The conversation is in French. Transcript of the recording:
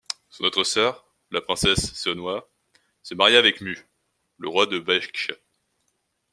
Son autre sœur, la princesse Seonhwa se maria avec Mu, le roi de Baekje.